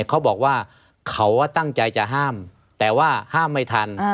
เขาบอกว่าเขาตั้งใจจะห้ามแต่ว่าห้ามไม่ทัน